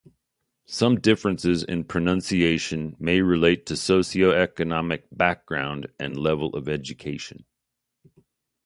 Some differences in pronunciation may relate to socioeconomic background and level of education.